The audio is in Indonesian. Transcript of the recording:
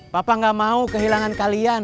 papa gak mau kehilangan kalian